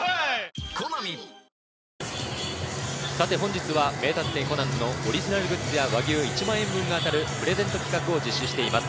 本日は『名探偵コナン』のオリジナルグッズや和牛１万円分が当たるプレゼント企画を実施しています。